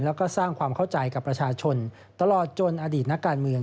แล้วก็สร้างความเข้าใจกับประชาชนตลอดจนอดีตนักการเมือง